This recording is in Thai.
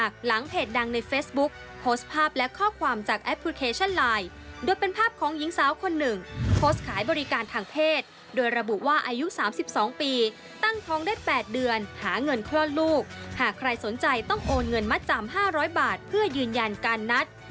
เก็บขายบริการทางเพิ่มลงในส่วนเกี่ยวกันแล้วอีกภาพคือ๕บาทก่อนการหรือ๖๗บาทเพื่อยืนยานการนัด